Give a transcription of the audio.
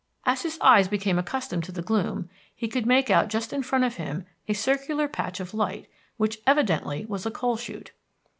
As his eyes became accustomed to the gloom, he could make out just in front of him a circular patch of light, which evidently was a coal shoot.